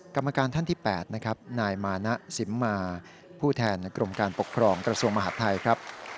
กรรมการท่านที่๘นะครับนายมานะสิมมาผู้แทนกรมการปกครองกระทรวงมหาดไทยครับ